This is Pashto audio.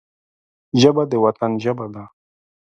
ژبه د وطن ژبه ده